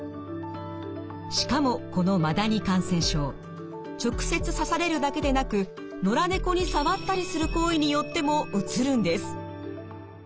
しかもこのマダニ感染症直接刺されるだけでなく野良猫に触ったりする行為によってもうつるんです。